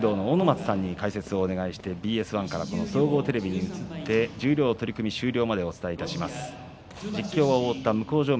幕内大道の阿武松さんに解説をお願いして、ＢＳ１から総合テレビに移って十両取組終了までお伝えします。